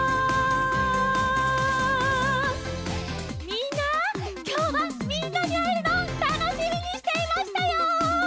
みんなきょうはみんなにあえるのをたのしみにしていましたよ！